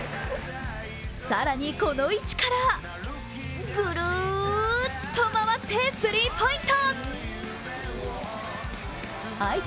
この位置からぐるっと回ってスリーポイント。